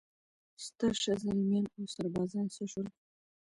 ستا شازلمیان اوسربازان څه شول؟